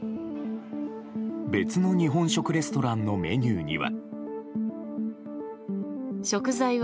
別の日本食レストランのメニューには。